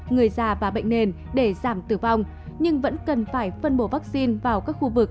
người già và bệnh nền để giảm tử vong nhưng vẫn cần phải phân bổ vaccine vào các khu vực